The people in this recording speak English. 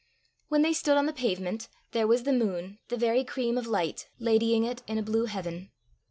When they stood on the pavement, there was the moon, the very cream of light, ladying it in a blue heaven.